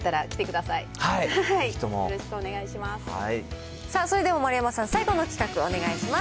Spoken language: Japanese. さあ、それでは丸山さん、最後の企画お願いします。